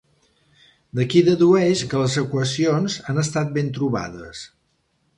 D'aquí dedueix que les equacions han estat ben trobades.